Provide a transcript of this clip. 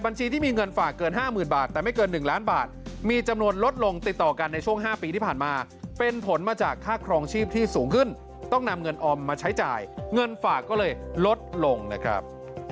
ที่มีเงินฝากเกิน๕๐๐๐บาทแต่ไม่เกิน๑ล้านบาทมีจำนวนลดลงติดต่อกันในช่วง๕ปีที่ผ่านมาเป็นผลมาจากค่าครองชีพที่สูงขึ้นต้องนำเงินออมมาใช้จ่ายเงินฝากก็เลยลดลงนะครับ